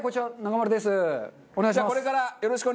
お願いします。